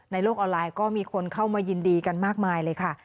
โลกออนไลน์ก็มีคนเข้ามายินดีกันมากมายเลยค่ะ